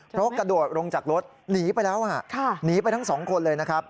เพราะกระโดดลงจากรถหนีไปแล้วหนีไปทั้งสองคนเลยนะครับ